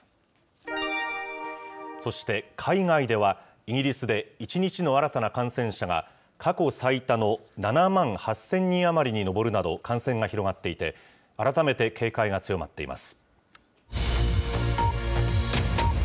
そして海外では、イギリスで１日の新たな感染者が過去最多の７万８０００人余りに上るなど、感染が広がっていて、改めて警戒が強まっています。